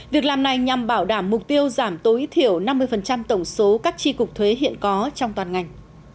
việc làm này nhằm bảo đảm mục tiêu giảm tối thiểu năm mươi tổng số các tri cục thuế hiện có trong toàn ngành